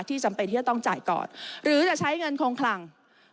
จำเป็นที่จะต้องจ่ายก่อนหรือจะใช้เงินคงคลัง